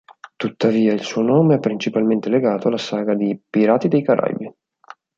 Tuttavia il suo nome è principalmente legato alla saga di "Pirati dei Caraibi".